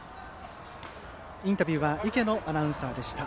インタビューは池野アナウンサーでした。